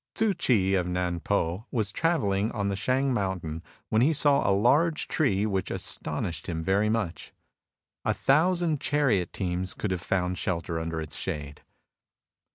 Tzu Ch'i of Nan po was travelling on the Shang mountain when he saw a large tree which astonished him very much. A thousand chariot teams could have found shelter under its shade.